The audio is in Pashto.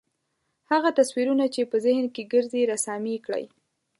هغه تصویرونه چې په ذهن کې ګرځي رسامي کړئ.